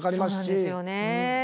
そうなんですよね。